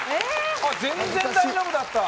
全然大丈夫だった。